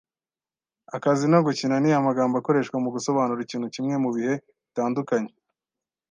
Akazi no gukina ni amagambo akoreshwa mugusobanura ikintu kimwe mubihe bitandukanye.